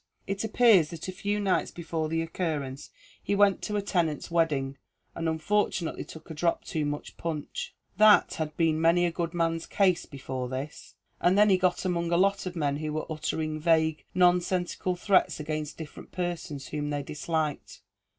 It appears that a few nights before the occurrence he went to a tenant's wedding, and unfortunately took a drop too much punch. That had been many a good man's case before his. And then he got among a lot of men who were uttering vague, nonsensical threats against different persons, whom they disliked.